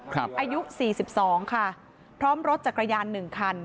ครับอายุสี่สิบสองค่ะพร้อมรถจากกระยานหนึ่งคัน